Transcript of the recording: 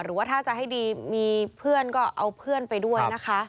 หรือว่าถ้าจะให้ดีมีเพื่อนก็เอาเพื่อนไปด้วยนะคะ